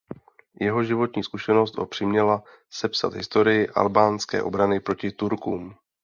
Jeho životní zkušenost ho přiměla sepsat historii albánské obrany proti Turkům.